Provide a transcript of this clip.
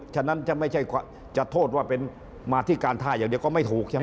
ฉะนั้นจะโทษว่ามาที่การท่าอย่างเดียวก็ไม่ถูกใช่ไหม